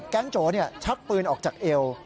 แก๊งโจะชักปืนออกจากเอว